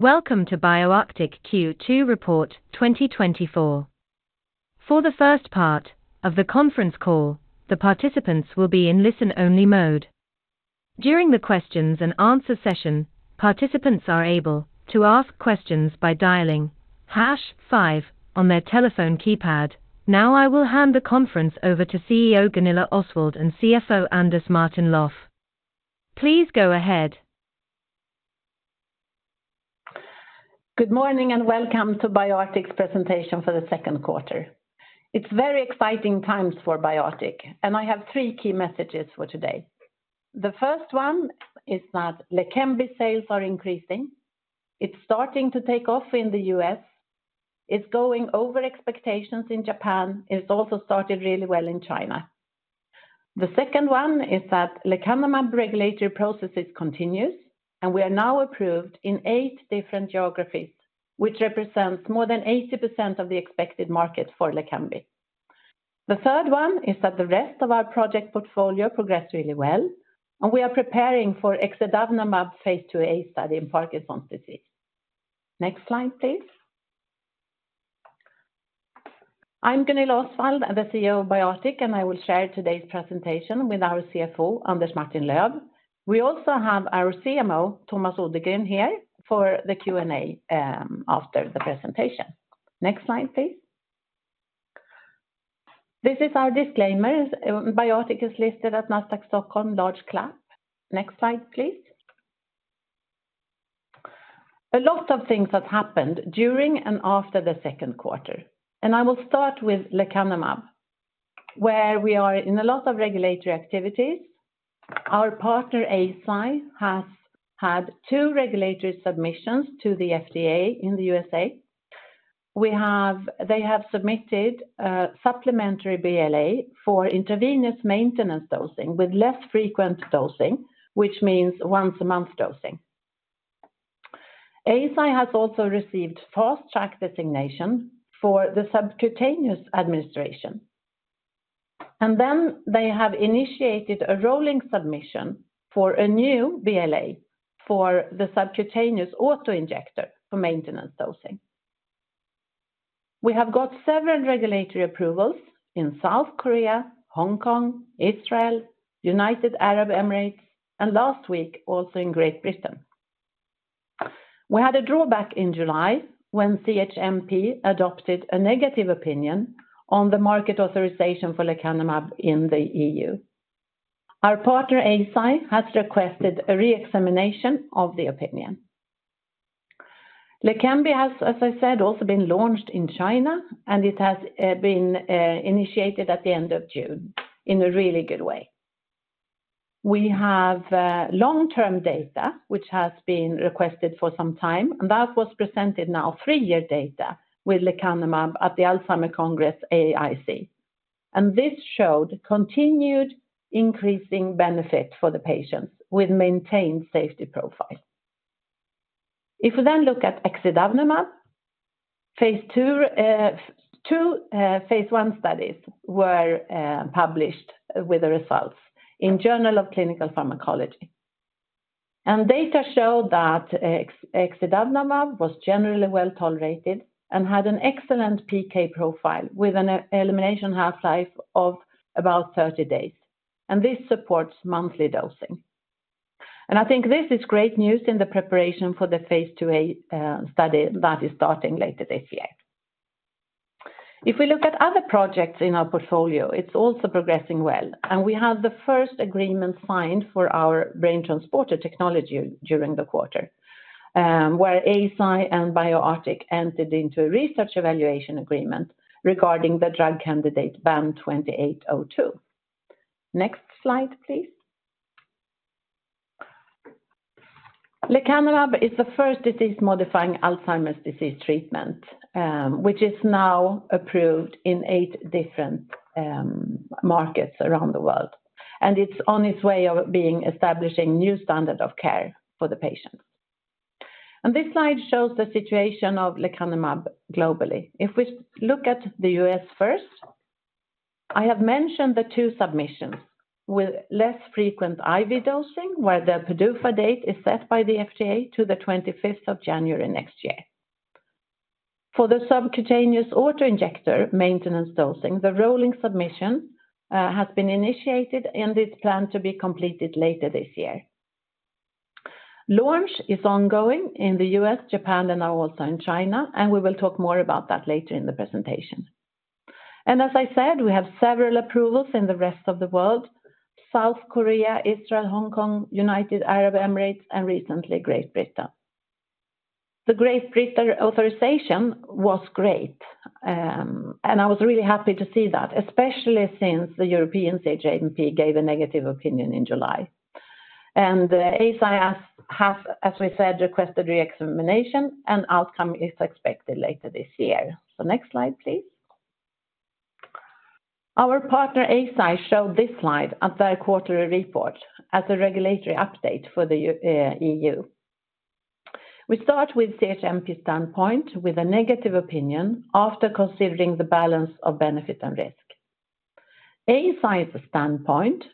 Welcome to BioArctic Q2 report 2024. For the first part of the conference call, the participants will be in listen-only mode. During the questions and answer session, participants are able to ask questions by dialing hash five on their telephone keypad. Now, I will hand the conference over to CEO Gunilla Osswald and CFO Anders Martin-Löf. Please go ahead. Good morning, and welcome to BioArctic's presentation for the second quarter. It's very exciting times for BioArctic, and I have three key messages for today. The first one is that Leqembi sales are increasing. It's starting to take off in the U.S., it's going over expectations in Japan, it's also started really well in China. The second one is that lecanemab regulatory processes continues, and we are now approved in eight different geographies, which represents more than 80% of the expected market for Leqembi. The third one is that the rest of our project portfolio progressed really well, and we are preparing for exidavnemab phase IIa study in Parkinson's disease. Next slide, please. I'm Gunilla Osswald, the CEO of BioArctic, and I will share today's presentation with our CFO, Anders Martin-Löf. We also have our CMO, Tomas Odergren, here for the Q&A after the presentation. Next slide, please. This is our disclaimers. BioArctic is listed at Nasdaq Stockholm, Large Cap. Next slide, please. A lot of things have happened during and after the second quarter, and I will start with lecanemab, where we are in a lot of regulatory activities. Our partner, Eisai, has had two regulatory submissions to the FDA in the USA. They have submitted a supplementary BLA for intravenous maintenance dosing with less frequent dosing, which means once a month dosing. Eisai has also received fast track designation for the subcutaneous administration, and then they have initiated a rolling submission for a new BLA for the subcutaneous auto-injector for maintenance dosing. We have got several regulatory approvals in South Korea, Hong Kong, Israel, United Arab Emirates, and last week, also in Great Britain. We had a drawback in July when CHMP adopted a negative opinion on the market authorization for lecanemab in the EU. Our partner, Eisai, has requested a re-examination of the opinion. Leqembi has, as I said, also been launched in China, and it has been initiated at the end of June in a really good way. We have long-term data, which has been requested for some time, and that was presented now, three-year data with lecanemab at the Alzheimer Congress, AAIC, and this showed continued increasing benefit for the patients with maintained safety profile. If we then look at exidavimab phase IIa, phase I studies were published with the results in Journal of Clinical Pharmacology. Data showed that exidavimab was generally well tolerated and had an excellent PK profile with an elimination half-life of about 30 days, and this supports monthly dosing. I think this is great news in the preparation for the phase IIa study that is starting later this year. If we look at other projects in our portfolio, it's also progressing well, and we have the first agreement signed for our BrainTransporter technology during the quarter, where Eisai and BioArctic entered into a research evaluation agreement regarding the drug candidate BAN2802. Next slide, please. Lecanemab is the first disease-modifying Alzheimer's disease treatment, which is now approved in 8 different markets around the world, and it's on its way of being establishing new standard of care for the patients. This slide shows the situation of lecanemab globally. If we look at the U.S. first, I have mentioned the two submissions with less frequent IV dosing, where the PDUFA date is set by the FDA to the 25th of January next year. For the subcutaneous auto-injector maintenance dosing, the rolling submission has been initiated, and it's planned to be completed later this year. Launch is ongoing in the U.S., Japan, and now also in China, and we will talk more about that later in the presentation. As I said, we have several approvals in the rest of the world: South Korea, Israel, Hong Kong, United Arab Emirates, and recently, Great Britain. The Great Britain authorization was great, and I was really happy to see that, especially since the European CHMP gave a negative opinion in July. Eisai has, as we said, requested re-examination, and outcome is expected later this year. Next slide, please. Our partner, Eisai, showed this slide at their quarterly report as a regulatory update for the EU. We start with CHMP standpoint, with a negative opinion after considering the balance of benefit and risk. Eisai's standpoint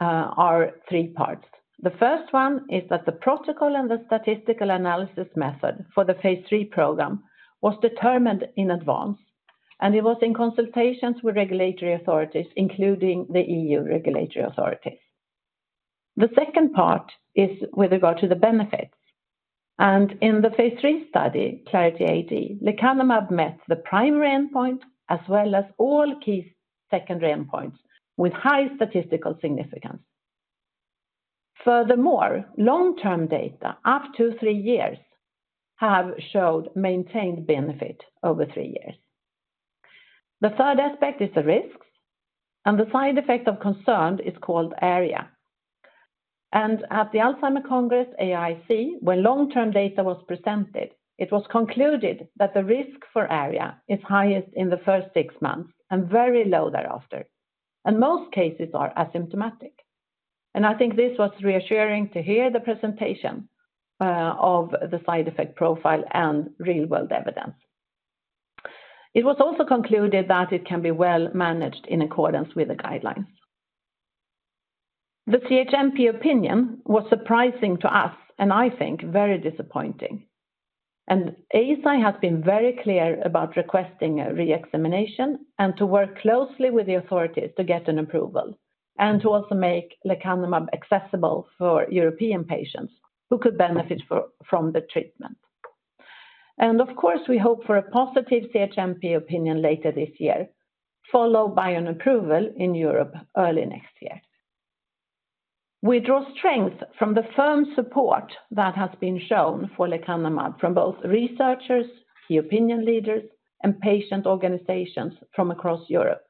are three parts. The first one is that the protocol and the statistical analysis method for the phase III program was determined in advance, and it was in consultations with regulatory authorities, including the EU regulatory authorities. The second part is with regard to the benefits, and in the phase III study, Clarity AD, lecanemab met the primary endpoint, as well as all key secondary endpoints with high statistical significance. Furthermore, long-term data up to three years have showed maintained benefit over three years. The third aspect is the risks, and the side effect of concern is called ARIA. At the Alzheimer Congress, AAIC, where long-term data was presented, it was concluded that the risk for ARIA is highest in the first six months and very low thereafter, and most cases are asymptomatic. I think this was reassuring to hear the presentation of the side effect profile and real-world evidence. It was also concluded that it can be well managed in accordance with the guidelines. The CHMP opinion was surprising to us, and I think very disappointing, and Eisai has been very clear about requesting a re-examination and to work closely with the authorities to get an approval, and to also make lecanemab accessible for European patients who could benefit from the treatment. Of course, we hope for a positive CHMP opinion later this year, followed by an approval in Europe early next year. We draw strength from the firm support that has been shown for lecanemab from both researchers, key opinion leaders, and patient organizations from across Europe.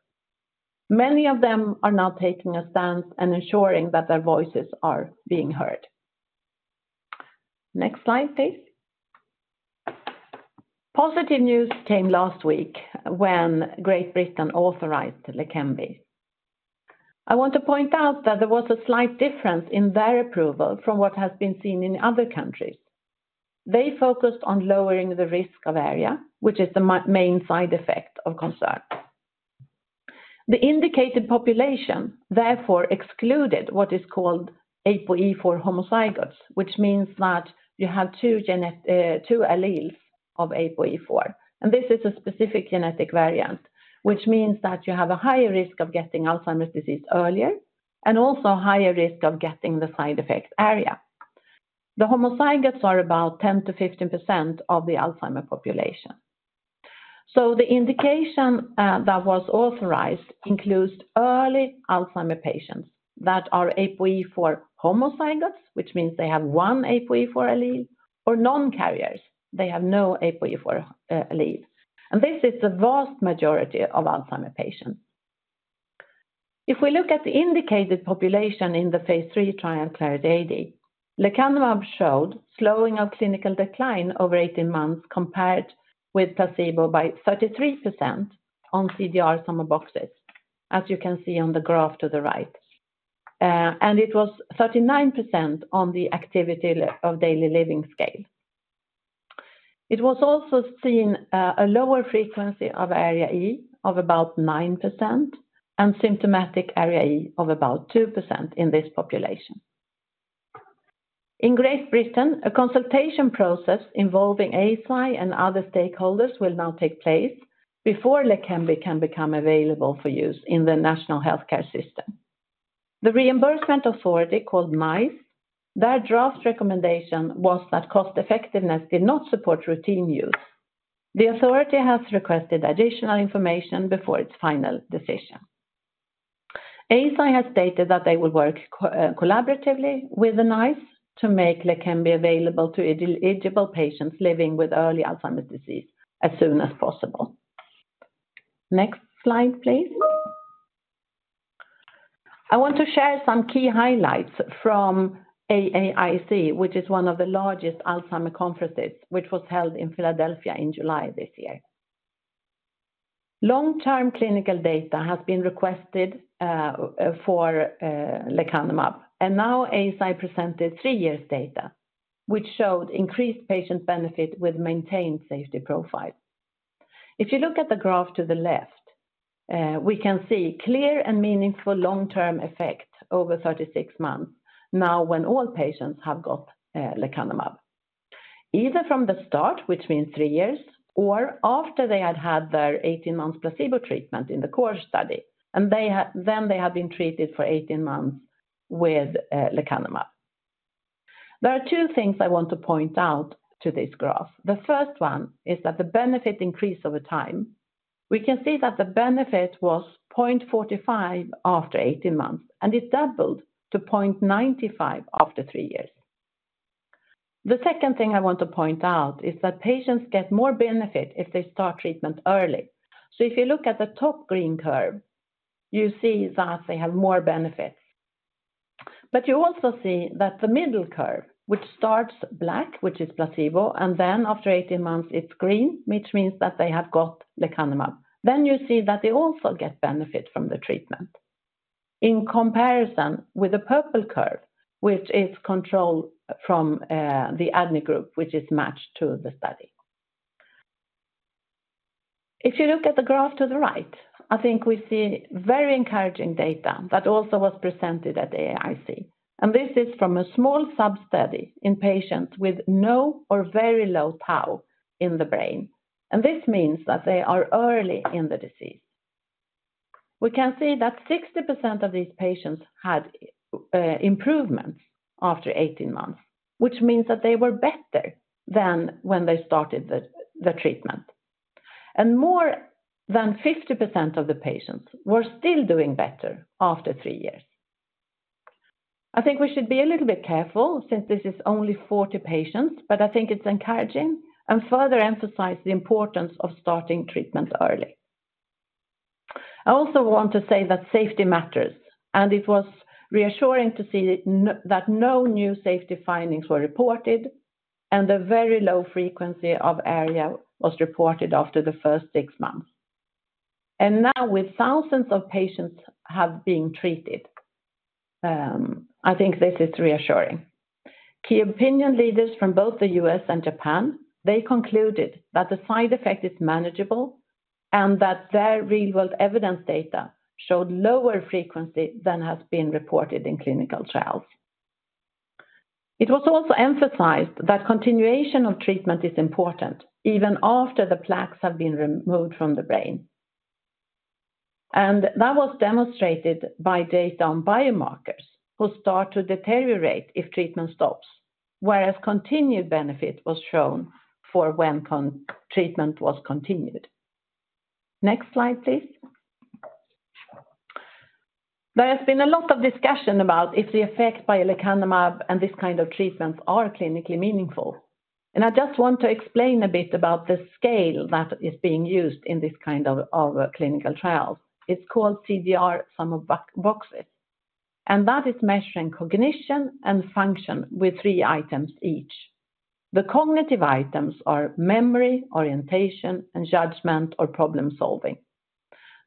Many of them are now taking a stance and ensuring that their voices are being heard. Next slide, please. Positive news came last week when Great Britain authorized Leqembi. I want to point out that there was a slight difference in their approval from what has been seen in other countries. They focused on lowering the risk of ARIA, which is the main side effect of concern. The indicated population therefore excluded what is called ApoE4 homozygotes, which means that you have two genetic, two alleles of ApoE4, and this is a specific genetic variant, which means that you have a higher risk of getting Alzheimer's disease earlier, and also higher risk of getting the side effect ARIA. The homozygotes are about 10-15% of the Alzheimer's population. So the indication that was authorized includes early Alzheimer's patients that are ApoE4 homozygotes, which means they have one ApoE4 allele, or non-carriers, they have no ApoE4 allele, and this is the vast majority of Alzheimer's patients. If we look at the indicated population in the phase III trial, Clarity AD, lecanemab showed slowing of clinical decline over 18 months compared with placebo by 33% on CDR Sum of Boxes, as you can see on the graph to the right. And it was 39% on the Activities of Daily Living scale. It was also seen a lower frequency of ARIA-E of about 9%, and symptomatic ARIA-E of about 2% in this population. In Great Britain, a consultation process involving Eisai and other stakeholders will now take place before Leqembi can become available for use in the national healthcare system. The reimbursement authority, called NICE, their draft recommendation was that cost effectiveness did not support routine use. The authority has requested additional information before its final decision. Eisai has stated that they will work collaboratively with the NICE to make Leqembi available to eligible patients living with early Alzheimer's disease as soon as possible. Next slide, please. I want to share some key highlights from AAIC, which is one of the largest Alzheimer conferences, which was held in Philadelphia in July this year. Long-term clinical data has been requested for lecanemab, and now Eisai presented three years data, which showed increased patient benefit with maintained safety profile. If you look at the graph to the left, we can see clear and meaningful long-term effect over 36 months now, when all patients have got lecanemab, either from the start, which means three years, or after they had had their 18-month placebo treatment in the core study, and then they had been treated for 18 months with lecanemab. There are two things I want to point out to this graph. The first one is that the benefit increase over time. We can see that the benefit was 0.45 after 18 months, and it doubled to 0.95 after three years. The second thing I want to point out is that patients get more benefit if they start treatment early, so if you look at the top green curve, you see that they have more benefits. But you also see that the middle curve, which starts black, which is placebo, and then after 18 months, it's green, which means that they have got lecanemab. Then you see that they also get benefit from the treatment. In comparison with the purple curve, which is control from the ADNI group, which is matched to the study. If you look at the graph to the right, I think we see very encouraging data that also was presented at AAIC, and this is from a small sub-study in patients with no or very low tau in the brain, and this means that they are early in the disease. We can see that 60% of these patients had improvements after 18 months, which means that they were better than when they started the treatment. More than 50% of the patients were still doing better after three years. I think we should be a little bit careful since this is only 40 patients, but I think it's encouraging and further emphasize the importance of starting treatment early. I also want to say that safety matters, and it was reassuring to see that that no new safety findings were reported, and a very low frequency of ARIA was reported after the first six months. Now with thousands of patients have been treated, I think this is reassuring. Key opinion leaders from both the U.S. and Japan, they concluded that the side effect is manageable, and that their real world evidence data showed lower frequency than has been reported in clinical trials. It was also emphasized that continuation of treatment is important, even after the plaques have been removed from the brain. That was demonstrated by data on biomarkers, who start to deteriorate if treatment stops, whereas continued benefit was shown for when continued treatment was continued. Next slide, please. There has been a lot of discussion about if the effect by lecanemab and this kind of treatments are clinically meaningful. I just want to explain a bit about the scale that is being used in this kind of clinical trials. It's called CDR Sum of Boxes, and that is measuring cognition and function with three items each. The cognitive items are memory, orientation, and judgment or problem-solving.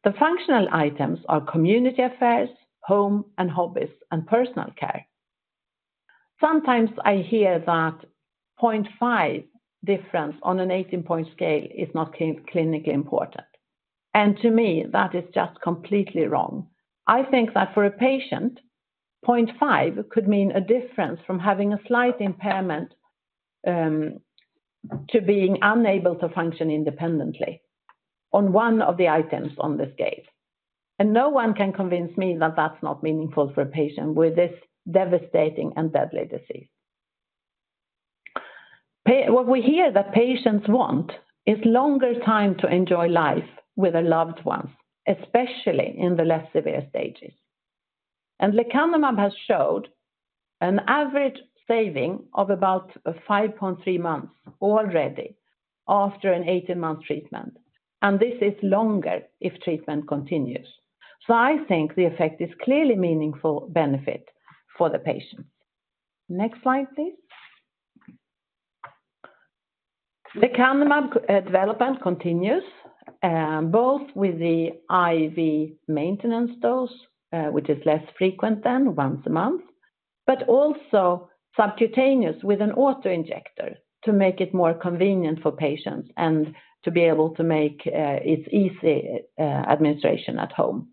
The functional items are community affairs, home and hobbies, and personal care. Sometimes I hear that 0.5 difference on an 18-point scale is not clinically important, and to me, that is just completely wrong. I think that for a patient, 0.5 could mean a difference from having a slight impairment to being unable to function independently on one of the items on this scale. And no one can convince me that that's not meaningful for a patient with this devastating and deadly disease. What we hear that patients want is longer time to enjoy life with their loved ones, especially in the less severe stages. And lecanemab has showed an average saving of about 5.3 months already after an 18-month treatment, and this is longer if treatment continues. So I think the effect is clearly meaningful benefit for the patients. Next slide, please. Lecanemab development continues both with the IV maintenance dose which is less frequent than once a month but also subcutaneous with an auto-injector to make it more convenient for patients and to be able to make it's easy administration at home.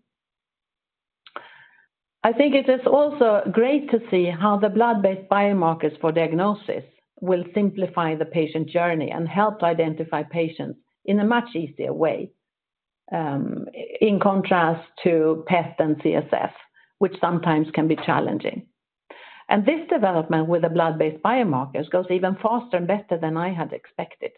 I think it is also great to see how the blood-based biomarkers for diagnosis will simplify the patient journey and help to identify patients in a much easier way in contrast to PET and CSF which sometimes can be challenging, and this development with the blood-based biomarkers goes even faster and better than I had expected.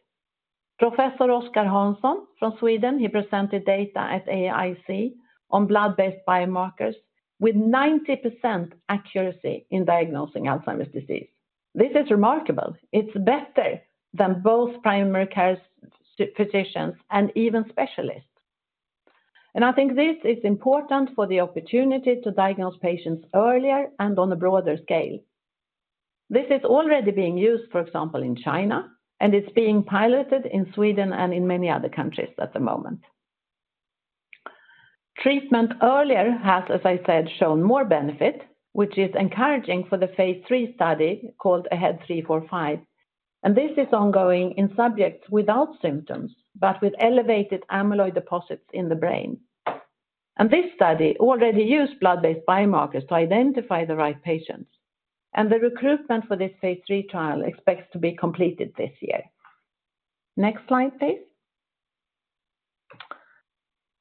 Professor Oscar Hansson from Sweden, he presented data at AAIC on blood-based biomarkers with 90% accuracy in diagnosing Alzheimer's disease. This is remarkable. It's better than both primary care physicians and even specialists. I think this is important for the opportunity to diagnose patients earlier and on a broader scale. This is already being used, for example, in China, and it's being piloted in Sweden and in many other countries at the moment. Treatment earlier has, as I said, shown more benefit, which is encouraging for the phase III study, called AHEAD 3-45, and this is ongoing in subjects without symptoms, but with elevated amyloid deposits in the brain. And this study already used blood-based biomarkers to identify the right patients, and the recruitment for this phase III trial expects to be completed this year. Next slide, please.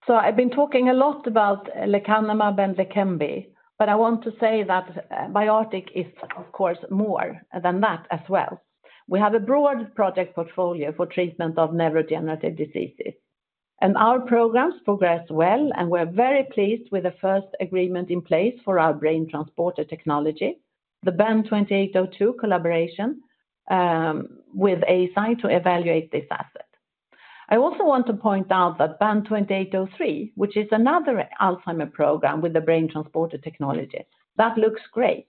I've been talking a lot about lecanemab and Leqembi, but I want to say that, BiArctic is, of course, more than that as well. We have a broad project portfolio for treatment of neurodegenerative diseases, and our programs progress well, and we're very pleased with the first agreement in place for our BrainTransporter technology, the BAN2802 collaboration with Eisai to evaluate this asset. I also want to point out that BAN2803, which is another Alzheimer's program with the BrainTransporter technology, that looks great,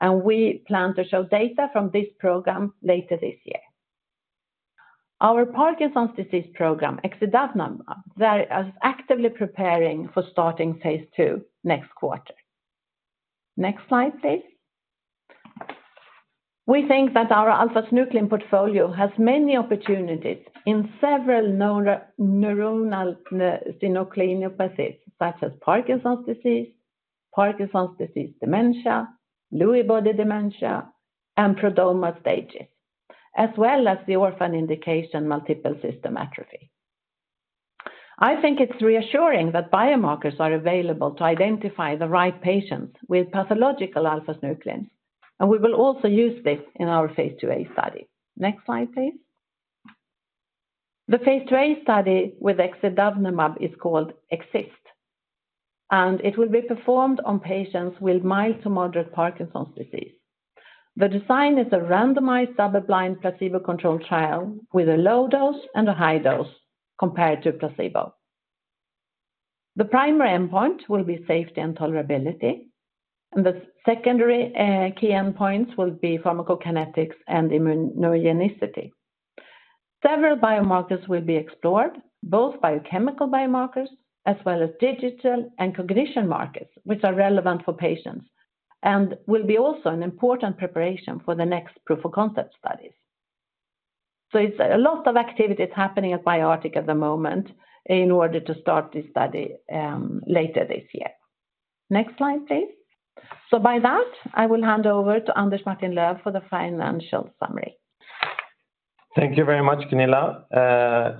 and we plan to show data from this program later this year. Our Parkinson's disease program, exidavnemab, they are actively preparing for starting phase II next quarter. Next slide, please. We think that our alpha-synuclein portfolio has many opportunities in several known neuronal synucleinopathies, such as Parkinson's disease, Parkinson's disease dementia, Lewy body dementia, and prodromal stages, as well as the orphan indication multiple system atrophy. I think it's reassuring that biomarkers are available to identify the right patients with pathological alpha-synucleins, and we will also use this in our phase IIa study. Next slide, please. The phase IIa study with exidavnemab is called EXIST, and it will be performed on patients with mild to moderate Parkinson's disease. The design is a randomized, double-blind, placebo-controlled trial with a low dose and a high dose compared to placebo. The primary endpoint will be safety and tolerability, and the secondary key endpoints will be pharmacokinetics and immunogenicity. Several biomarkers will be explored, both biochemical biomarkers as well as digital and cognition metrics, which are relevant for patients, and will be also an important preparation for the next proof of concept studies. So it's a lot of activities happening at BioArctic at the moment in order to start this study later this year. Next slide, please. So by that, I will hand over to Anders Martin-Löf for the financial summary. Thank you very much, Gunilla.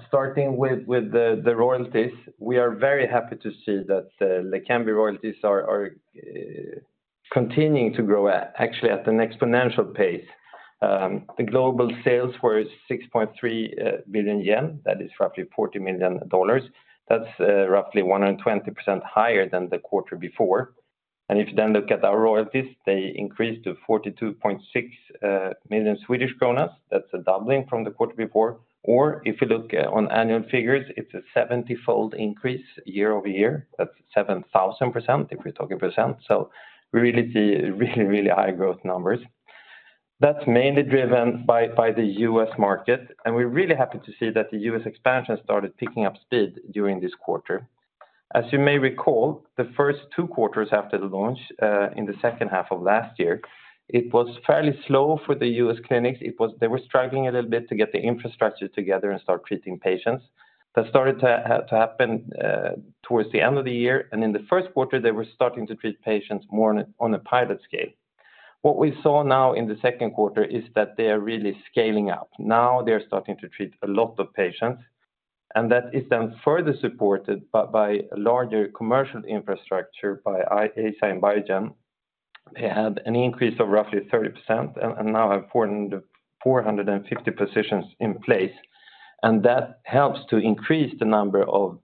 Starting with the royalties, we are very happy to see that the Leqembi royalties are continuing to grow at, actually at an exponential pace. The global sales were 6.3 billion yen, that is roughly $40 million. That's roughly 120% higher than the quarter before. And if you then look at our royalties, they increased to 42.6 million Swedish kronor. That's a doubling from the quarter before. Or if you look on annual figures, it's a seventy-fold increase year-over-year. That's 7,000%, if we're talking percent. So we really see really, really high growth numbers. That's mainly driven by the U.S. market, and we're really happy to see that the US expansion started picking up speed during this quarter. As you may recall, the first two quarters after the launch in the second half of last year, it was fairly slow for the U.S. clinics. It was. They were struggling a little bit to get the infrastructure together and start treating patients. That started to happen towards the end of the year, and in the first quarter, they were starting to treat patients more on a pilot scale. What we saw now in the second quarter is that they are really scaling up. Now they're starting to treat a lot of patients, and that is then further supported by a larger commercial infrastructure by Eisai and Biogen. They had an increase of roughly 30% and now have 450 positions in place, and that helps to increase the number of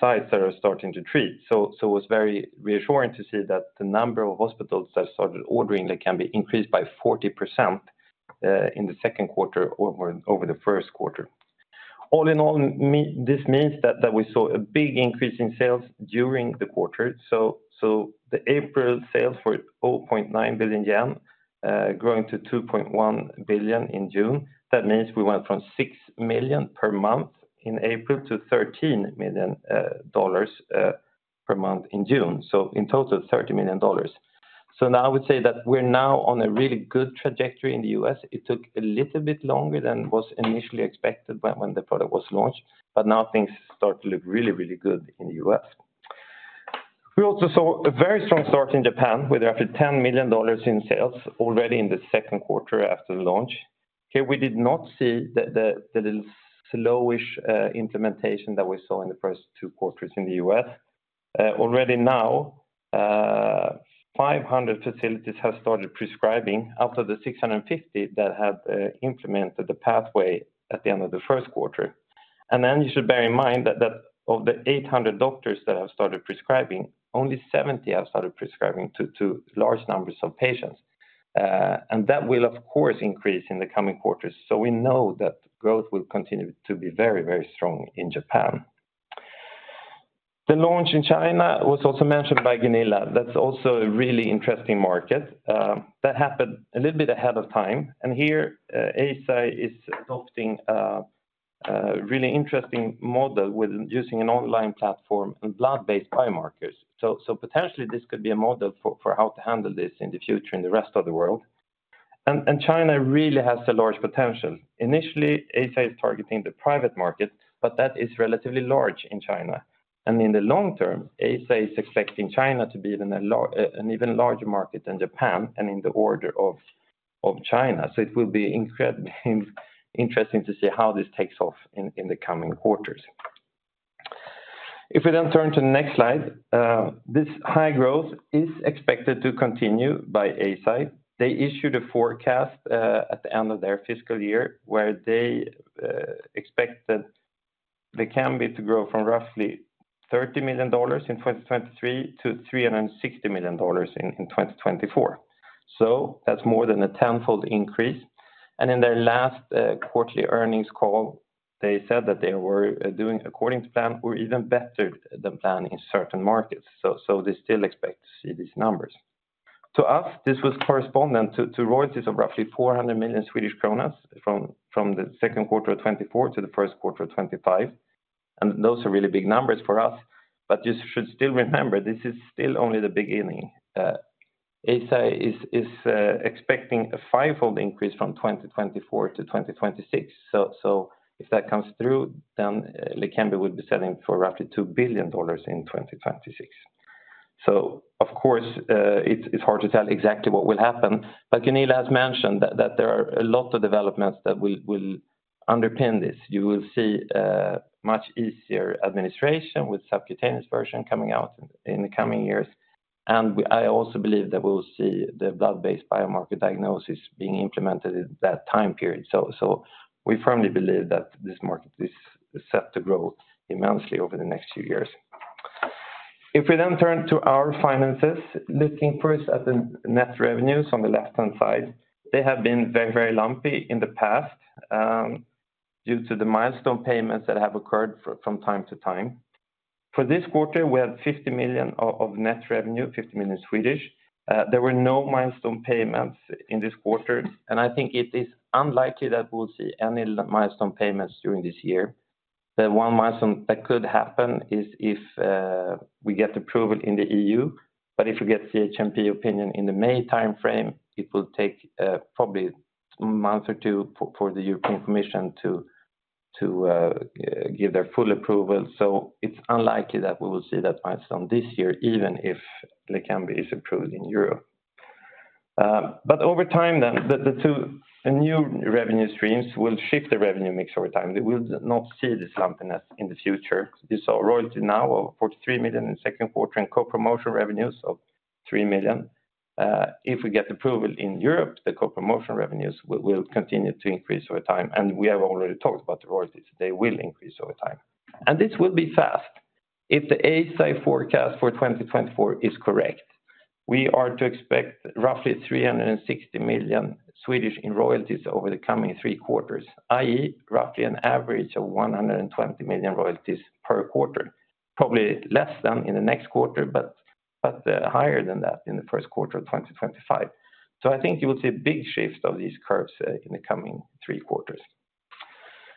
sites that are starting to treat. It's very reassuring to see that the number of hospitals that started ordering, they can be increased by 40% in the second quarter over the first quarter. All in all, this means that we saw a big increase in sales during the quarter. The April sales for 0.9 billion yen, growing to 2.1 billion in June. That means we went from $6 million per month in April to $13 million per month in June. In total, $30 million. Now I would say that we're on a really good trajectory in the U.S. It took a little bit longer than was initially expected when the product was launched, but now things start to look really good in the U.S. We also saw a very strong start in Japan, with roughly $10 million in sales already in the second quarter after the launch. Here, we did not see the little slowish implementation that we saw in the first two quarters in the U.S. Already now, 500 facilities have started prescribing out of the 650 that have implemented the pathway at the end of the first quarter. And then you should bear in mind that of the 800 doctors that have started prescribing, only 70 have started prescribing to large numbers of patients. And that will, of course, increase in the coming quarters. So we know that growth will continue to be very, very strong in Japan. The launch in China was also mentioned by Gunilla. That's also a really interesting market. That happened a little bit ahead of time, and here, Eisai is adopting a really interesting model with using an online platform and blood-based biomarkers. So potentially this could be a model for how to handle this in the future in the rest of the world. And China really has a large potential. Initially, Eisai is targeting the private market, but that is relatively large in China. And in the long term, Eisai is expecting China to be an even larger market than Japan and in the order of China. So it will be incredibly interesting to see how this takes off in the coming quarters. If we then turn to the next slide, this high growth is expected to continue by Eisai. They issued a forecast at the end of their fiscal year, where they expect that Leqembi to grow from roughly $30 million in 2023 to $360 million in 2024. That's more than a tenfold increase. In their last quarterly earnings call, they said that they were doing according to plan or even better than plan in certain markets. They still expect to see these numbers. To us, this corresponds to royalties of roughly 400 million Swedish kronor from the second quarter of 2024 to the first quarter of 2025. Those are really big numbers for us, but you should still remember, this is still only the beginning. Eisai is expecting a fivefold increase from 2024 to 2026. So if that comes through, then Leqembi will be selling for roughly $2 billion in 2026. Of course, it's hard to tell exactly what will happen, but Gunilla has mentioned that there are a lot of developments that will underpin this. You will see a much easier administration with subcutaneous version coming out in the coming years. I also believe that we'll see the blood-based biomarker diagnosis being implemented in that time period. So we firmly believe that this market is set to grow immensely over the next few years. If we then turn to our finances, looking first at the net revenues on the left-hand side, they have been very, very lumpy in the past, due to the milestone payments that have occurred from time to time. For this quarter, we had 50 million net revenue, 50 million. There were no milestone payments in this quarter, and I think it is unlikely that we'll see any milestone payments during this year. The one milestone that could happen is if we get approval in the EU, but if we get CHMP opinion in the May timeframe, it will take probably a month or two for the European Commission to give their full approval. So it's unlikely that we will see that milestone this year, even if Leqembi is approved in Europe. But over time, the new revenue streams will shift the revenue mix over time. They will not see this lumpiness in the future. You saw royalty now of 43 million in the second quarter, and co-promotion revenues of 3 million. If we get approval in Europe, the co-promotion revenues will continue to increase over time, and we have already talked about the royalties. They will increase over time. And this will be fast. If the Eisai forecast for 2024 is correct, we are to expect roughly 360 million in royalties over the coming three quarters, i.e., roughly an average of 120 million royalties per quarter. Probably less than in the next quarter, but higher than that in the first quarter of 2025. So I think you will see a big shift of these curves in the coming three quarters.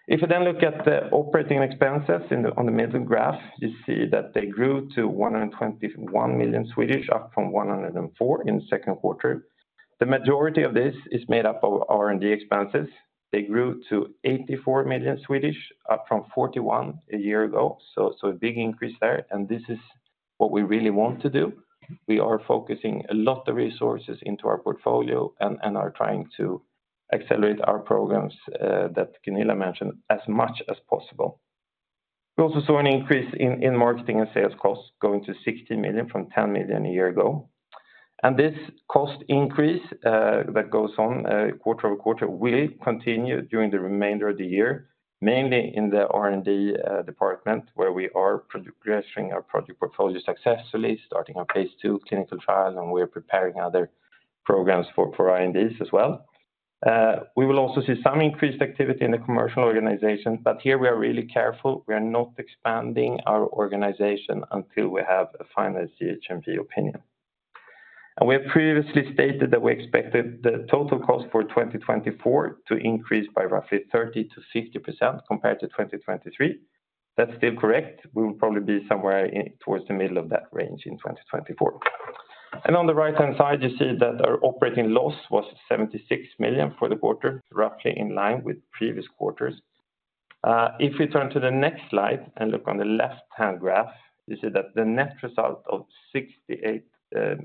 If you then look at the operating expenses on the middle graph, you see that they grew to 121 million, up from 104 in the second quarter. The majority of this is made up of R&D expenses. They grew to 84 million, up from 41 million a year ago, so a big increase there, and this is what we really want to do. We are focusing a lot of resources into our portfolio and are trying to accelerate our programs that Gunilla mentioned, as much as possible. We also saw an increase in marketing and sales costs going to 60 million from 10 million a year ago. This cost increase that goes on quarter over quarter will continue during the remainder of the year, mainly in the R&D department, where we are progressing our project portfolio successfully, starting a phase II clinical trial, and we are preparing other programs for R&Ds as well. We will also see some increased activity in the commercial organization, but here we are really careful. We are not expanding our organization until we have a final CHMP opinion. And we have previously stated that we expected the total cost for 2024 to increase by roughly 30%-60% compared to 2023. That's still correct. We will probably be somewhere in towards the middle of that range in 2024. And on the right-hand side, you see that our operating loss was 76 million for the quarter, roughly in line with previous quarters. If we turn to the next slide and look on the left-hand graph, you see that the net result of 68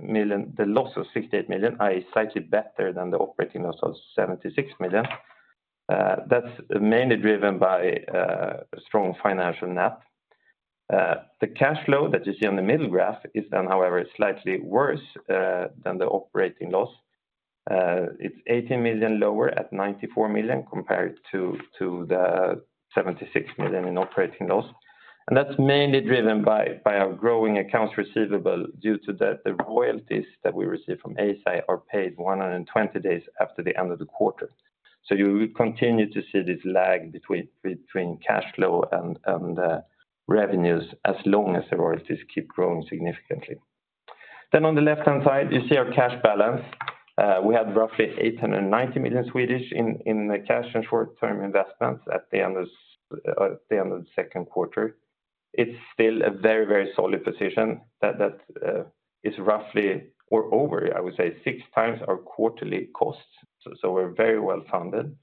million, the loss of 68 million, are slightly better than the operating loss of 76 million. That's mainly driven by strong financial net. The cash flow that you see on the middle graph is then, however, slightly worse than the operating loss. It's 80 million lower at 94 million, compared to the 76 million in operating loss. And that's mainly driven by our growing accounts receivable due to the royalties that we receive from Eisai are paid 120 days after the end of the quarter. So you will continue to see this lag between cash flow and revenues as long as the royalties keep growing significantly. Then on the left-hand side, you see our cash balance. We had roughly 890 million in the cash and short-term investments at the end of the second quarter. It's still a very, very solid position that is roughly or over, I would say, six times our quarterly costs, so we're very well-funded.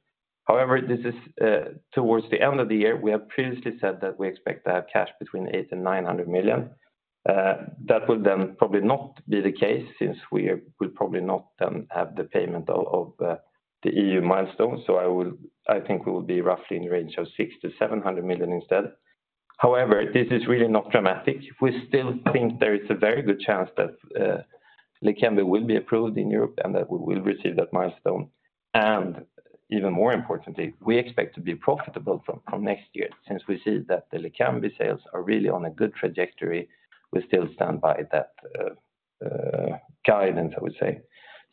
However, this is towards the end of the year. We have previously said that we expect to have cash between 800 million and 900 million. That will then probably not be the case since we will probably not have the payment of the EU milestone, so I think we will be roughly in the range of 600 million-700 million instead. However, this is really not dramatic. We still think there is a very good chance that Leqembi will be approved in Europe, and that we will receive that milestone. And even more importantly, we expect to be profitable from next year. Since we see that the Leqembi sales are really on a good trajectory, we still stand by that guidance, I would say.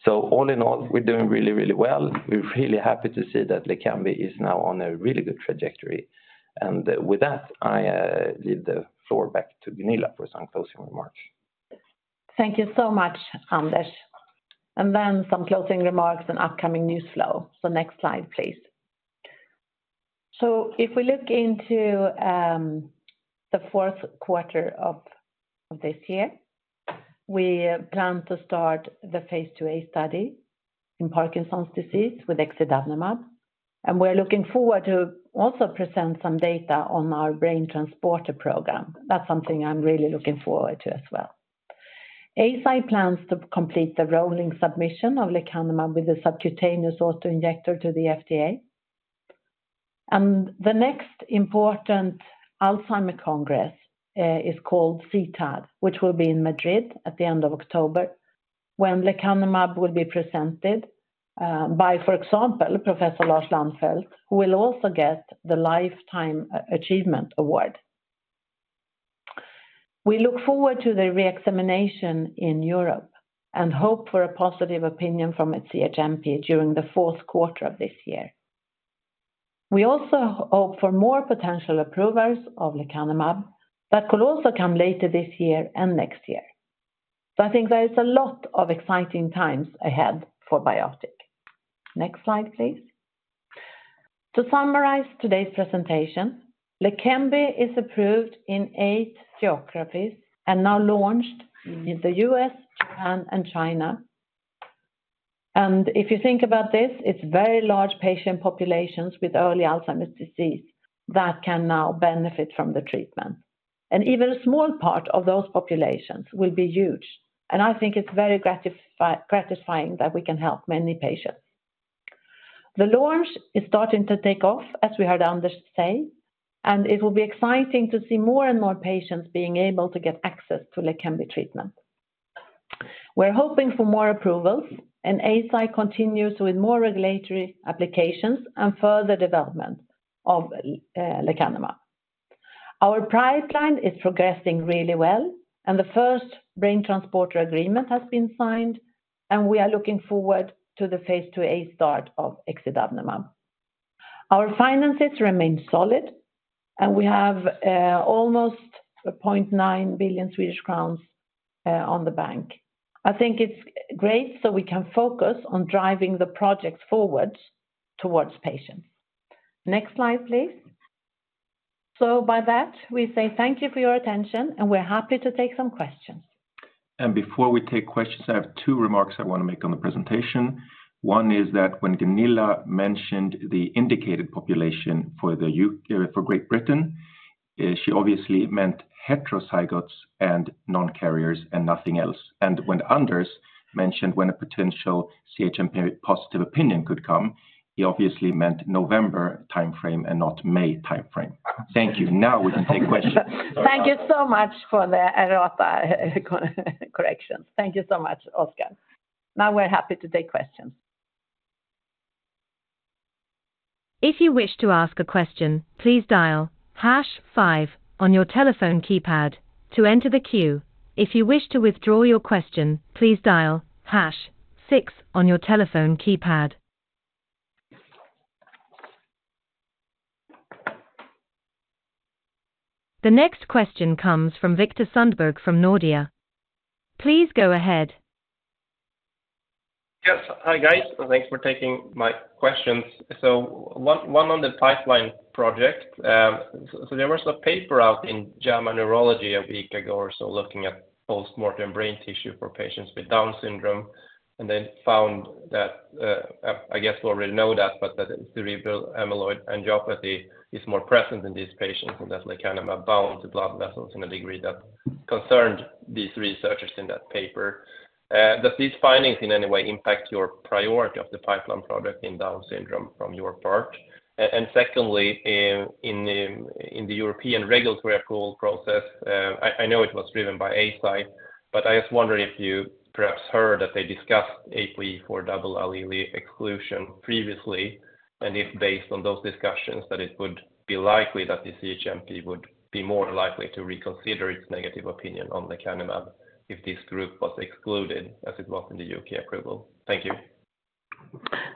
So all in all, we're doing really, really well. We're really happy to see that Leqembi is now on a really good trajectory. With that, I give the floor back to Gunilla for some closing remarks.... Thank you so much, Anders. And then some closing remarks and upcoming news flow. So next slide, please. So if we look into the fourth quarter of this year, we plan to start the phase IIa study in Parkinson's disease with exidavnemab, and we're looking forward to also present some data on our BrainTransporter program. That's something I'm really looking forward to as well. Eisai plans to complete the rolling submission of lecanemab with the subcutaneous auto-injector to the FDA. And the next important Alzheimer Congress is called CTAD, which will be in Madrid at the end of October, when lecanemab will be presented by, for example, Professor Lars Lannfelt, who will also get the Lifetime Achievement Award. We look forward to the re-examination in Europe, and hope for a positive opinion from its CHMP during the fourth quarter of this year. We also hope for more potential approvals of lecanemab, that could also come later this year and next year. So I think there is a lot of exciting times ahead for BioArctic. Next slide, please. To summarize today's presentation, Leqembi is approved in eight geographies and now launched in the US, Japan, and China. And if you think about this, it's very large patient populations with early Alzheimer's disease that can now benefit from the treatment. And even a small part of those populations will be huge, and I think it's very gratifying that we can help many patients. The launch is starting to take off, as we heard Anders say, and it will be exciting to see more and more patients being able to get access to Leqembi treatment. We're hoping for more approvals, and Eisai continues with more regulatory applications and further development of lecanemab. Our pipeline is progressing really well, and the first BrainTransporter agreement has been signed, and we are looking forward to the phase IIa start of exidavnemab. Our finances remain solid, and we have almost 0.9 billion Swedish crowns in the bank. I think it's great, so we can focus on driving the projects forward towards patients. Next slide, please. So with that, we say thank you for your attention, and we're happy to take some questions. Before we take questions, I have two remarks I wanna make on the presentation. One is that when Gunilla mentioned the indicated population for the UK for Great Britain, she obviously meant heterozygotes and non-carriers and nothing else. When Anders mentioned when a potential CHMP positive opinion could come, he obviously meant November timeframe and not May timeframe. Thank you. Now we can take questions. Thank you so much for the errata corrections. Thank you so much, Oskar. Now we're happy to take questions. If you wish to ask a question, please dial hash five on your telephone keypad to enter the queue. If you wish to withdraw your question, please dial hash six on your telephone keypad. The next question comes from Viktor Sundberg from Nordea. Please go ahead. Yes. Hi, guys, and thanks for taking my questions. So one on the pipeline project. So there was a paper out in JAMA Neurology a week ago or so, looking at postmortem brain tissue for patients with Down syndrome, and then found that I guess we already know that, but that cerebral amyloid angiopathy is more present in these patients, and definitely kind of bound to blood vessels in a degree that concerned these researchers in that paper. Does these findings in any way impact your priority of the pipeline project in Down syndrome from your part? Secondly, in the European regulatory approval process, I know it was driven by Eisai, but I was wondering if you perhaps heard that they discussed APOE for double allele exclusion previously, and if based on those discussions, that it would be likely that the CHMP would be more likely to reconsider its negative opinion on lecanemab if this group was excluded as it was in the U.K. approval. Thank you.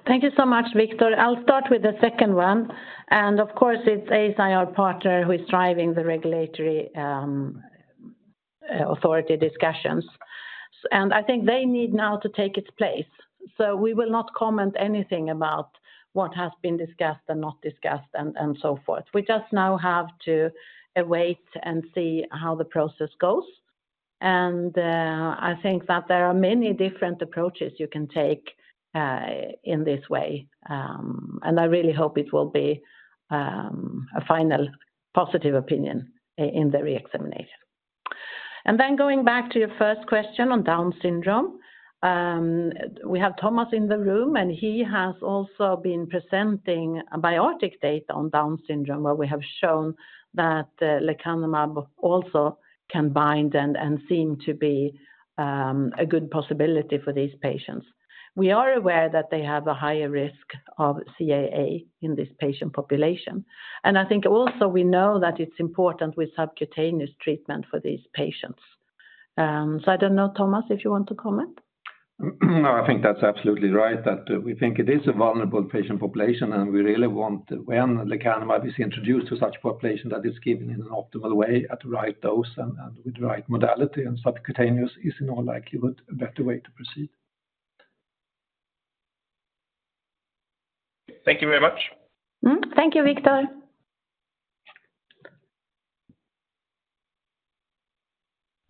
Thank you so much, Viktor. I'll start with the second one. And of course, it's Eisai, our partner, who is driving the regulatory authority discussions, and I think they need now to take its place. So we will not comment anything about what has been discussed and not discussed, and, and so forth. We just now have to await and see how the process goes, and I think that there are many different approaches you can take in this way, and I really hope it will be a final positive opinion in the re-examination. And then going back to your first question on Down syndrome, we have Tomas in the room, and he has also been presenting BioArctic data on Down syndrome, where we have shown that lecanemab also can bind and seem to be a good possibility for these patients. We are aware that they have a higher risk of CAA in this patient population, and I think also we know that it's important with subcutaneous treatment for these patients. So, I don't know, Tomas, if you want to comment? I think that's absolutely right, that we think it is a vulnerable patient population, and we really want when Leqembi is introduced to such population, that it's given in an optimal way at the right dose and with the right modality, and subcutaneous is in all likelihood a better way to proceed. Thank you very much. Thank you, Viktor.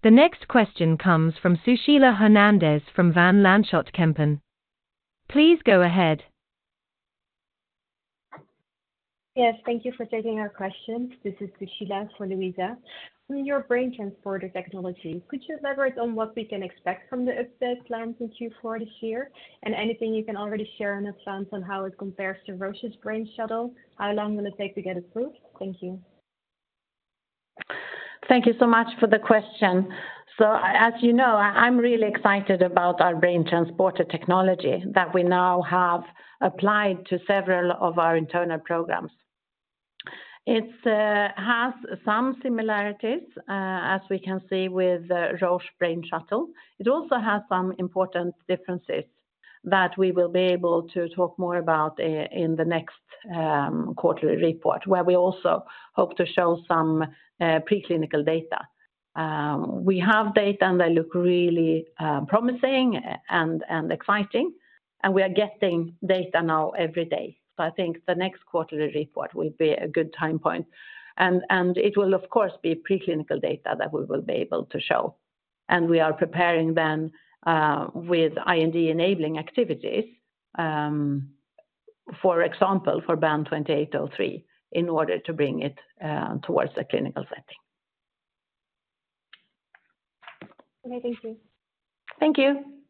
The next question comes from Sushila Hernandez from Van Lanschot Kempen. Please go ahead. Yes, thank you for taking our question. This is Sushila for Louisa. From your BrainTransporter technology, could you elaborate on what we can expect from the update planned in Q4 this year? And anything you can already share in advance on how it compares to Roche's Brainshuttle. How long will it take to get approved? Thank you. Thank you so much for the question, so as you know, I'm really excited about our BrainTransporter technology that we now have applied to several of our internal programs. It has some similarities as we can see with Roche Brainshuttle. It also has some important differences that we will be able to talk more about in the next quarterly report, where we also hope to show some preclinical data. We have data, and they look really promising and exciting, and we are getting data now every day. So I think the next quarterly report will be a good time point, and it will, of course, be preclinical data that we will be able to show. We are preparing then with IND-enabling activities, for example, for BAN2803, in order to bring it towards a clinical setting. Okay, thank you. Thank you.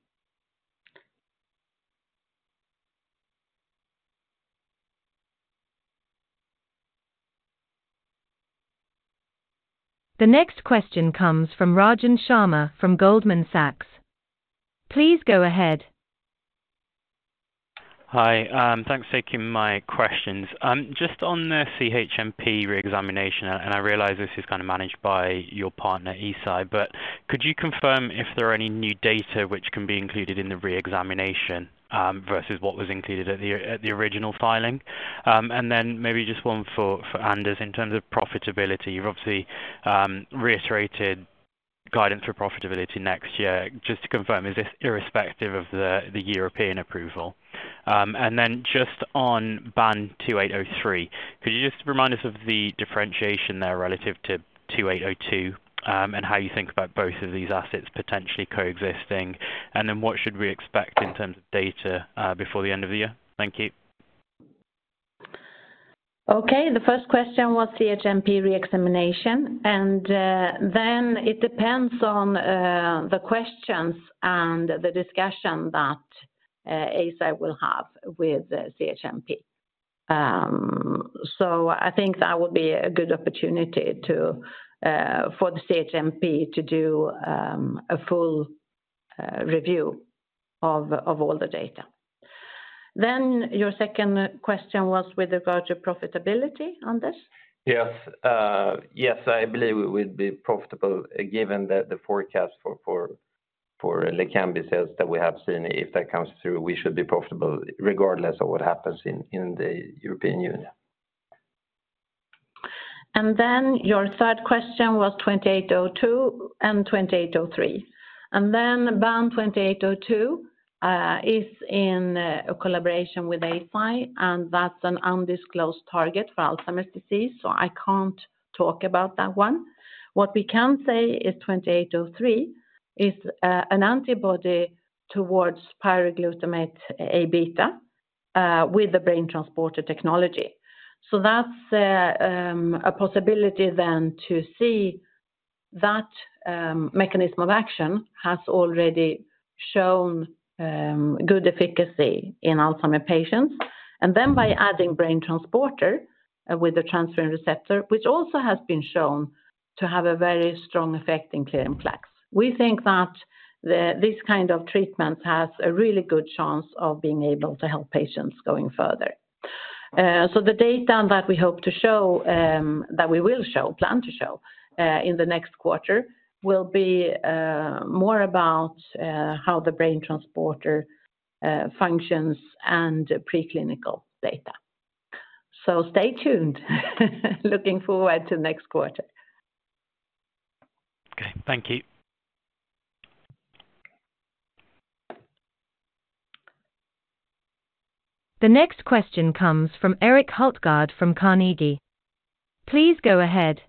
The next question comes from Rajan Sharma from Goldman Sachs. Please go ahead. Hi, thanks for taking my questions. Just on the CHMP re-examination, and I realize this is kind of managed by your partner, Eisai, but could you confirm if there are any new data which can be included in the re-examination, versus what was included at the original filing? And then maybe just one for Anders. In terms of profitability, you've obviously reiterated guidance for profitability next year. Just to confirm, is this irrespective of the European approval? And then just on BAN2803, could you just remind us of the differentiation there relative to 2802, and how you think about both of these assets potentially coexisting? And then what should we expect in terms of data before the end of the year? Thank you. Okay, the first question was CHMP re-examination. And, then it depends on, the questions and the discussion that, Eisai will have with the CHMP. So I think that would be a good opportunity to, for the CHMP to do, a full, review of all the data. Then your second question was with regard to profitability, Anders? Yes, yes, I believe we would be profitable, given that the forecast for Leqembi sales that we have seen. If that comes through, we should be profitable regardless of what happens in the European Union. And then your third question was 2802 and 2803. BAN2802 is in a collaboration with Eisai, and that's an undisclosed target for Alzheimer's disease, so I can't talk about that one. What we can say is BAN2803 is an antibody towards pyroglutamate A-beta with the BrainTransporter technology. So that's a possibility then to see that mechanism of action has already shown good efficacy in Alzheimer's patients. And then by adding BrainTransporter with the transferrin receptor, which also has been shown to have a very strong effect in clearing plaques. We think that the, this kind of treatment has a really good chance of being able to help patients going further. So the data that we hope to show, that we will show, plan to show, in the next quarter, will be more about how the BrainTransporter functions and preclinical data. So stay tuned. Looking forward to next quarter. Okay, thank you. The next question comes from Erik Hultgaard from Carnegie. Please go ahead.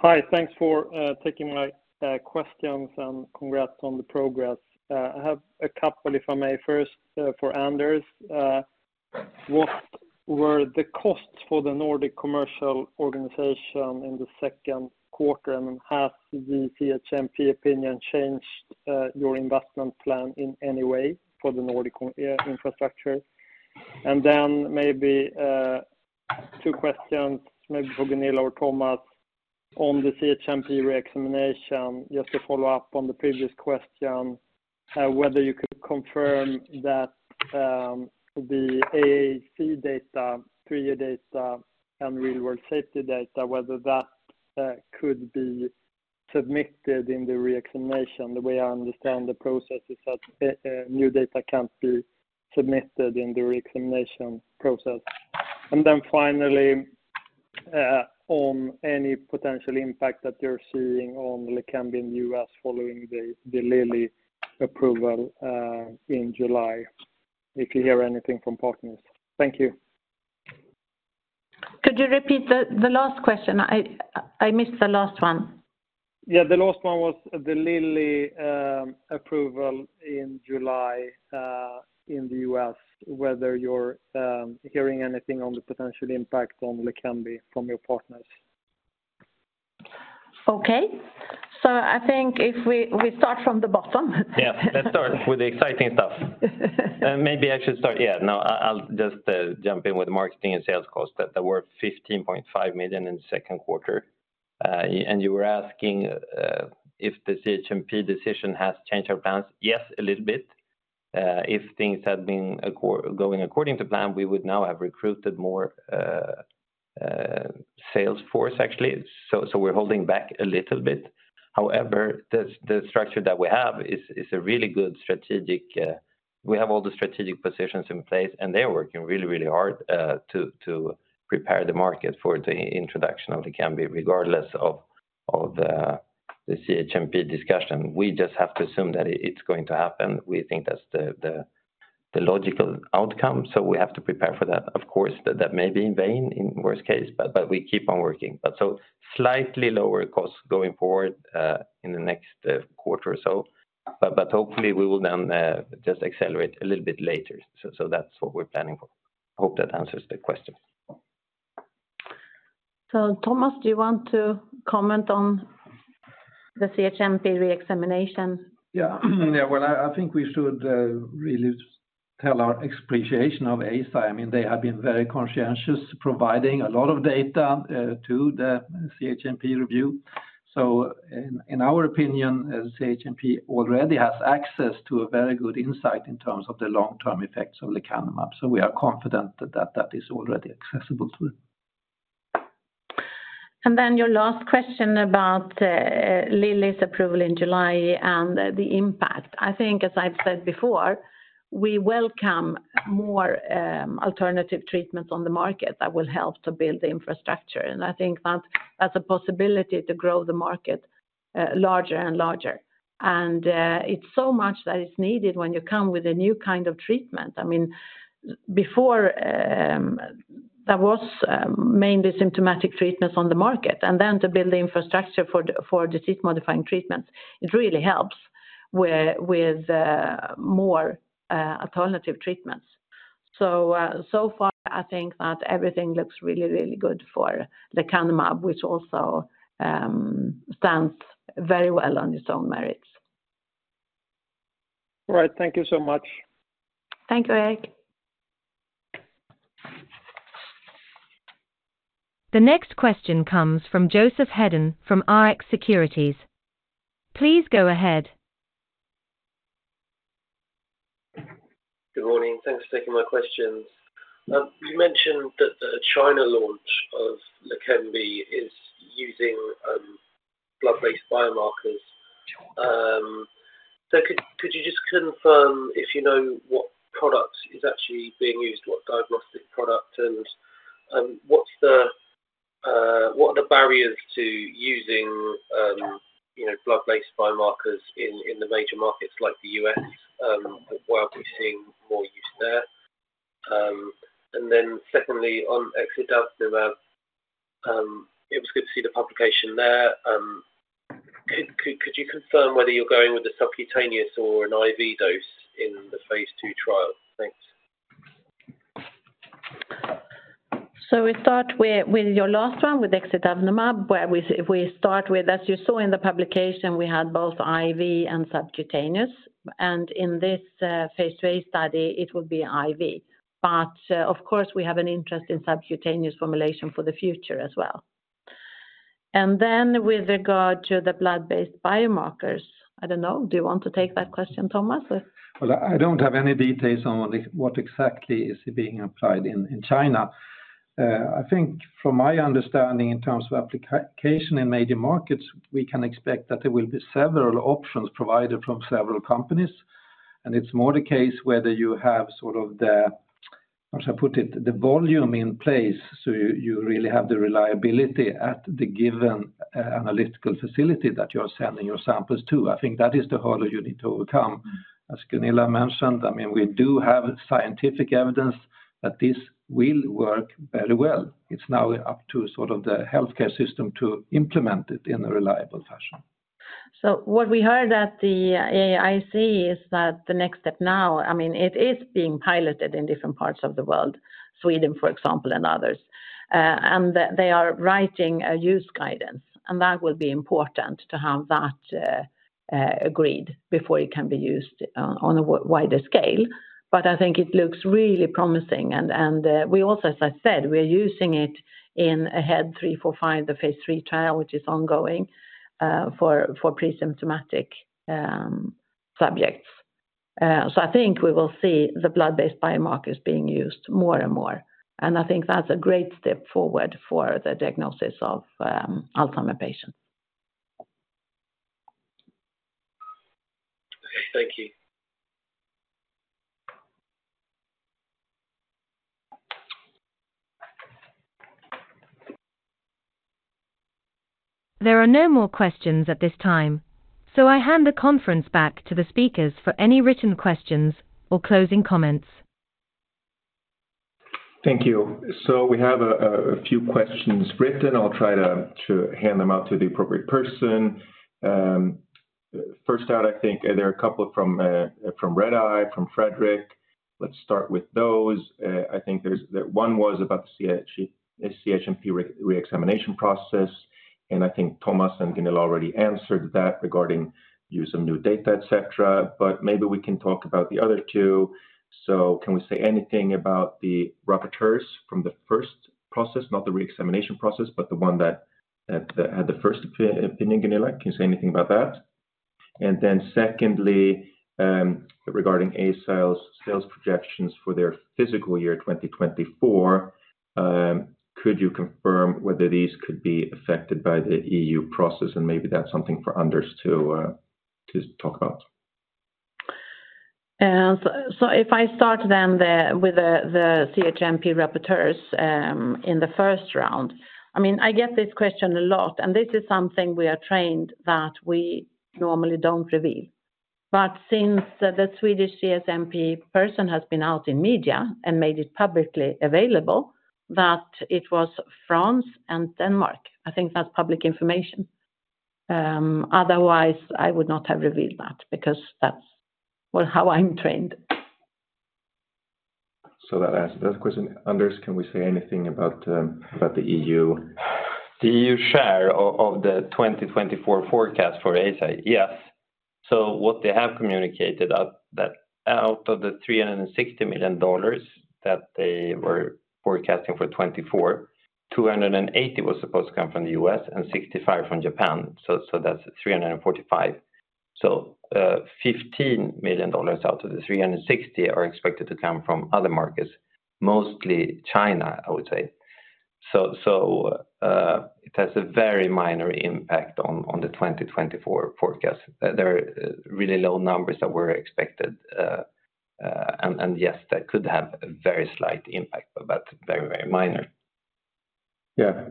Hi, thanks for taking my questions, and congrats on the progress. I have a couple, if I may. First, for Anders. What were the costs for the Nordic commercial organization in the second quarter, and has the CHMP opinion changed your investment plan in any way for the Nordic infrastructure? And then maybe two questions, maybe for Gunilla or Tomas on the CHMP re-examination, just to follow up on the previous question, whether you could confirm that the AAIC data, three-year data, and real world safety data, whether that could be submitted in the re-examination process. The way I understand the process is that new data can't be submitted in the re-examination process. And then finally, on any potential impact that you're seeing on Leqembi in the U.S. following the Lilly approval in July, if you hear anything from partners. Thank you. Could you repeat the last question? I missed the last one. Yeah, the last one was the Lilly approval in July in the U.S., whether you're hearing anything on the potential impact on Leqembi from your partners. Okay. I think if we start from the bottom. Yeah, let's start with the exciting stuff. I'll just jump in with marketing and sales costs, that they were 15.5 million in the second quarter. And you were asking if the CHMP decision has changed our plans. Yes, a little bit. If things had been going according to plan, we would now have recruited more sales force, actually. So we're holding back a little bit. However, the structure that we have is a really good strategic. We have all the strategic positions in place, and they're working really, really hard to prepare the market for the introduction of Leqembi, regardless of the CHMP discussion. We just have to assume that it's going to happen. We think that's the logical outcome, so we have to prepare for that. Of course, that may be in vain in worst case, but we keep on working, but so slightly lower costs going forward in the next quarter or so, but hopefully we will then just accelerate a little bit later, so that's what we're planning for. Hope that answers the question. So, Tomas, do you want to comment on the CHMP re-examination? Yeah. Yeah, well, I think we should really tell our appreciation to Eisai. I mean, they have been very conscientious, providing a lot of data to the CHMP review. So in our opinion, as CHMP already has access to a very good insight in terms of the long-term effects of lecanemab, so we are confident that that is already accessible to them. And then your last question about Lilly's approval in July and the impact. I think, as I've said before, we welcome more alternative treatments on the market that will help to build the infrastructure. And I think that's a possibility to grow the market larger and larger. And it's so much that is needed when you come with a new kind of treatment. I mean, before there was mainly symptomatic treatments on the market, and then to build the infrastructure for disease-modifying treatments, it really helps with more alternative treatments. So, so far, I think that everything looks really, really good for lecanemab, which also stands very well on its own merits. All right. Thank you so much. Thank you, Erik. The next question comes from Joseph Hedden from Rx Securities. Please go ahead. Good morning. Thanks for taking my questions. You mentioned that the China launch of Leqembi is using blood-based biomarkers. So could you just confirm if you know what product is actually being used, what diagnostic product, and what are the barriers to using, you know, blood-based biomarkers in the major markets like the U.S., while we're seeing more use there? And then secondly, on exidavimab, it was good to see the publication there. Could you confirm whether you're going with a subcutaneous or an IV dose in the phase II trial? Thanks. So we start with your last one, with exidavnemab, where we start with. As you saw in the publication, we had both IV and subcutaneous, and in this phase III study, it will be IV. But of course, we have an interest in subcutaneous formulation for the future as well. And then with regard to the blood-based biomarkers, I don't know. Do you want to take that question, Tomas? I don't have any details on what exactly is being applied in China. I think from my understanding in terms of application in major markets, we can expect that there will be several options provided from several companies. It's more the case whether you have sort of the, how to put it, the volume in place, so you really have the reliability at the given analytical facility that you are sending your samples to. I think that is the hurdle you need to overcome. As Gunilla mentioned, I mean, we do have scientific evidence that this will work very well. It's now up to sort of the healthcare system to implement it in a reliable fashion. What we heard at the AAIC is that the next step now, I mean, it is being piloted in different parts of the world, Sweden, for example, and others, and that they are writing a use guidance, and that will be important to have that agreed before it can be used on a wider scale. But I think it looks really promising, and we also, as I said, are using it in AHEAD 3-45, the phase III trial, which is ongoing, for pre-symptomatic subjects, so I think we will see the blood-based biomarkers being used more and more, and I think that's a great step forward for the diagnosis of Alzheimer's patients. Thank you. There are no more questions at this time, so I hand the conference back to the speakers for any written questions or closing comments. Thank you. So we have a few questions written. I'll try to hand them out to the appropriate person. First out, I think there are a couple from Redeye, from Fredrik. Let's start with those. I think there's that one was about the CHMP re-examination process, and I think Tomas and Gunilla already answered that regarding use of new data, et cetera. But maybe we can talk about the other two. So can we say anything about the rapporteurs from the first process? Not the re-examination process, but the one that had the first opinion, Gunilla. Can you say anything about that? And then secondly, regarding Eisai's sales projections for their fiscal year 2024, could you confirm whether these could be affected by the EU process? And maybe that's something for Anders to talk about. If I start then with the CHMP rapporteurs in the first round. I mean, I get this question a lot, and this is something we are trained that we normally don't reveal. But since the Swedish CHMP person has been out in media and made it publicly available, that it was France and Denmark, I think that's public information. Otherwise, I would not have revealed that because that's how I'm trained. So that answers that question. Anders, can we say anything about the EU? The EU share of the 2024 forecast for Eisai? Yes. So what they have communicated out, that out of the $360 million that they were forecasting for 2024, $280 million was supposed to come from the U.S. and $65 million from Japan, so that's $345 million. So, $15 million out of the $360 million are expected to come from other markets, mostly China, I would say. So, it has a very minor impact on the 2024 forecast. There are really low numbers that were expected, and yes, that could have a very slight impact, but very, very minor. Yeah,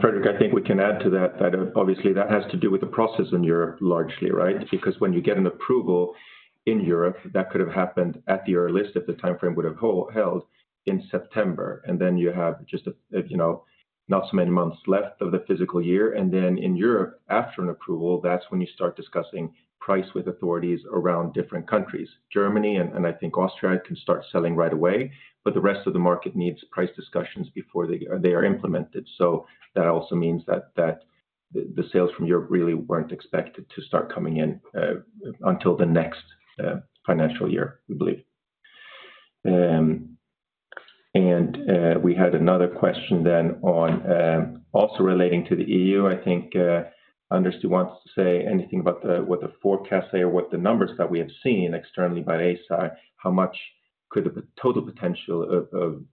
Fredrik, I think we can add to that, that obviously that has to do with the process in Europe, largely, right? Because when you get an approval in Europe, that could have happened at the earliest, if the timeframe would have held in September, and then you have just, you know, not so many months left of the fiscal year. And then in Europe, after an approval, that's when you start discussing price with authorities around different countries. Germany and I think Austria can start selling right away, but the rest of the market needs price discussions before they are implemented. So that also means that the sales from Europe really weren't expected to start coming in until the next financial year, we believe. And we had another question then on also relating to the EU, I think. Anders, who wants to say anything about the forecast or the numbers that we have seen externally by Eisai? How much could the total potential of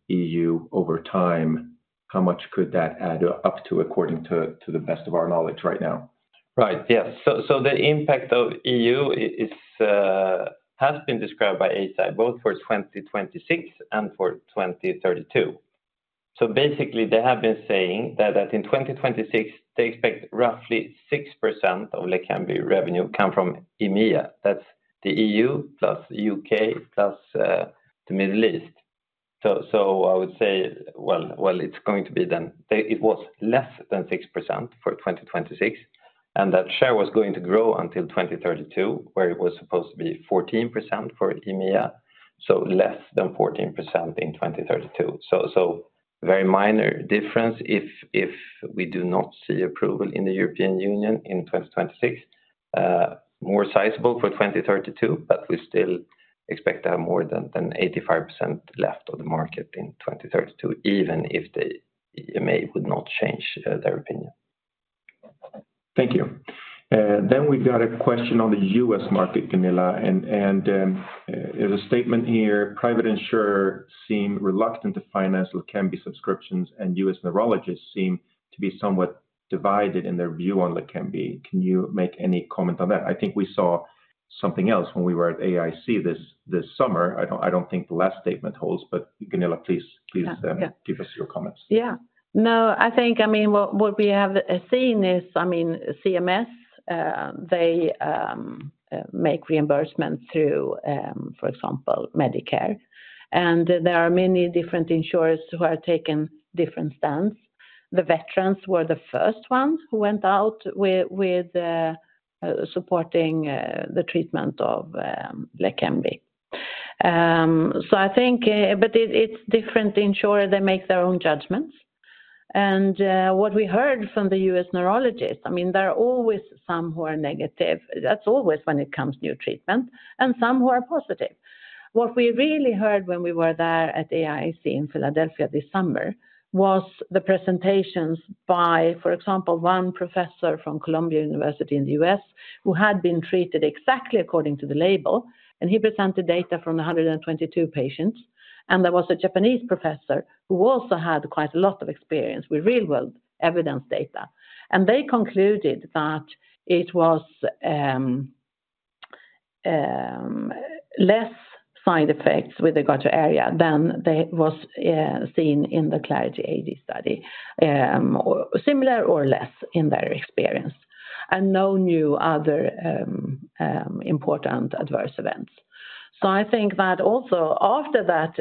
the EU over time add up to, according to the best of our knowledge right now? Right. Yes. So the impact of EU is has been described by Eisai, both for 2026 and for 2032. So basically, they have been saying that in 2026, they expect roughly 6% of Leqembi revenue come from EMEA. That's the EU, plus U.K., plus the Middle East. So I would say, well, it's going to be then. It was less than 6% for 2026, and that share was going to grow until 2032, where it was supposed to be 14% for EMEA, so less than 14% in 2032. So very minor difference if we do not see approval in the European Union in 2026. more sizable for 2032, but we still expect to have more than 85% left of the market in 2032, even if the EMA would not change their opinion. Thank you. Then we've got a question on the U.S. market, Gunilla, and there's a statement here: Private insurers seem reluctant to finance Leqembi subscriptions, and U.S. neurologists seem to be somewhat divided in their view on Leqembi. Can you make any comment on that? I think we saw something else when we were at AAIC this summer. I don't think the last statement holds, but Gunilla, please. Yeah. Give us your comments. Yeah. No, I think, I mean, what, what we have seen is, I mean, CMS, they make reimbursements through, for example, Medicare. And there are many different insurers who have taken different stands. The veterans were the first ones who went out with, with, supporting the treatment of Leqembi. So I think, but it, it's different insurer, they make their own judgments. And what we heard from the U.S. neurologist, I mean, there are always some who are negative. That's always when it comes new treatment, and some who are positive. What we really heard when we were there at AAIC in Philadelphia this summer was the presentations by, for example, one professor from Columbia University in the U.S., who had been treated exactly according to the label, and he presented data from 122 patients. And there was a Japanese professor who also had quite a lot of experience with real-world evidence data. And they concluded that it was less side effects with the ARIA than they was seen in the Clarity AD study. Or similar or less in their experience, and no new other important adverse events. So I think that also after that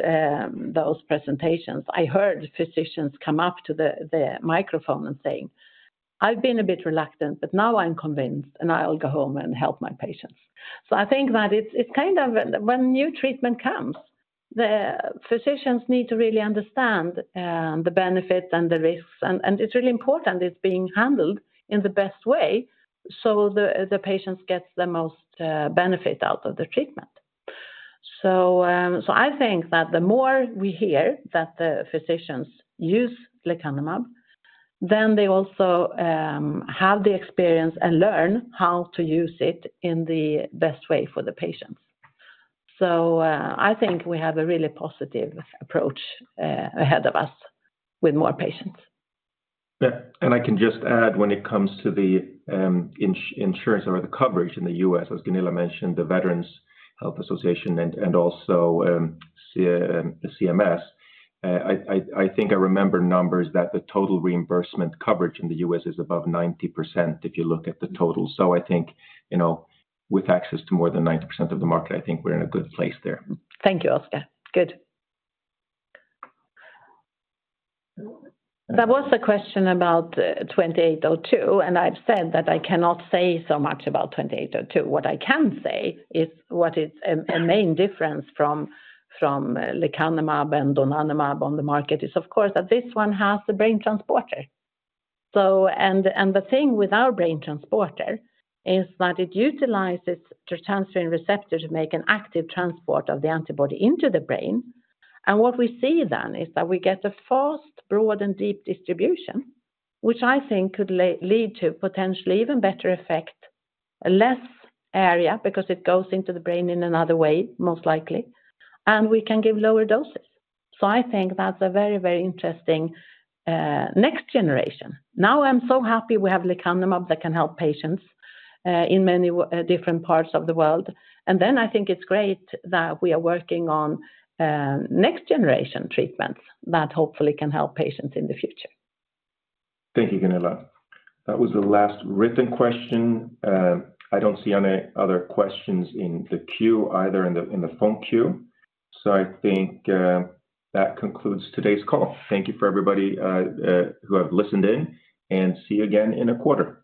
those presentations, I heard physicians come up to the microphone and saying, "I've been a bit reluctant, but now I'm convinced, and I'll go home and help my patients." So I think that it's kind of when new treatment comes, the physicians need to really understand the benefits and the risks, and it's really important it's being handled in the best way so the patients get the most benefit out of the treatment. I think that the more we hear that the physicians use lecanemab, then they also have the experience and learn how to use it in the best way for the patients. I think we have a really positive approach ahead of us with more patients. Yeah. And I can just add when it comes to the insurance or the coverage in the U.S., as Gunilla mentioned, the Veterans Health Administration and also the CMS. I think I remember numbers that the total reimbursement coverage in the US is above 90% if you look at the total. So I think, you know, with access to more than 90% of the market, I think we're in a good place there. Thank you, Oscar. Good. There was a question about 2802, and I've said that I cannot say so much about 2802. What I can say is what is a main difference from lecanemab and donanemab on the market is, of course, that this one has the BrainTransporter. So, and the thing with our BrainTransporter is that it utilizes transferrin receptor to make an active transport of the antibody into the brain. And what we see then is that we get a fast, broad, and deep distribution, which I think could lead to potentially even better effect, less ARIA, because it goes into the brain in another way, most likely, and we can give lower doses. So I think that's a very, very interesting next generation. Now, I'm so happy we have lecanemab that can help patients in many different parts of the world. And then I think it's great that we are working on next generation treatments that hopefully can help patients in the future. Thank you, Gunilla. That was the last written question. I don't see any other questions in the queue, either in the phone queue. So I think that concludes today's call. Thank you for everybody who have listened in, and see you again in a quarter.